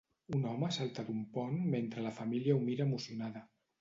Un home salta d'un pont mentre la família ho mira emocionada